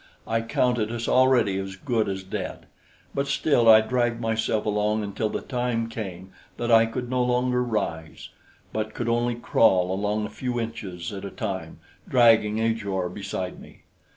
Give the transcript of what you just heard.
I counted us already as good as dead; but still I dragged myself along until the time came that I could no longer rise, but could only crawl along a few inches at a time, dragging Ajor beside me.